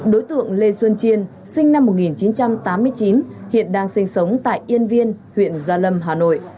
đối tượng lê xuân chiên sinh năm một nghìn chín trăm tám mươi chín hiện đang sinh sống tại yên viên huyện gia lâm hà nội